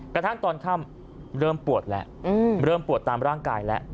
กระทั่งตอนค่ำเริ่มปวดแล้วเริ่มปวดตามร่างกายแล้ว